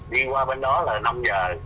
đi qua bên đó là năm giờ